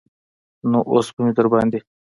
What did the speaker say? نو اوس به مې درباندې.